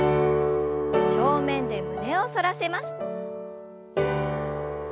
正面で胸を反らせます。